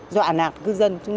do ả nạc cư dân